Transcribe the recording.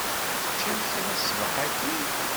Teččiḍ kra ṣṣbeḥ-agi?